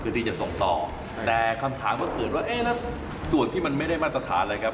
ที่จะส่งต่อแต่คำถามมันเกิดว่าเอ๊ะแล้วส่วนที่มันไม่ได้มาตรฐานอะไรครับ